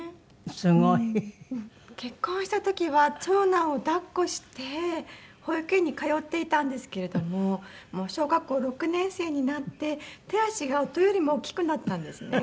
すごい。結婚した時は長男を抱っこして保育園に通っていたんですけれどももう小学校６年生になって手足が夫よりも大きくなったんですね。